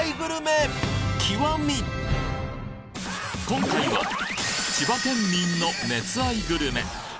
今回は千葉県民の熱愛グルメ